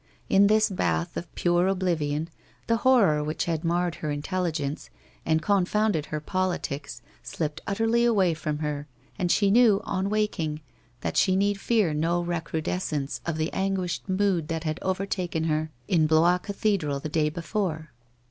In this bath of pure oblivion the horror which had marred her intelligence, and confounded her politics slipped utterly away from her and she knew, on waking, that she need fear no recrudescence of the anguished mood that had overtaken her in Blois cathedral the day before.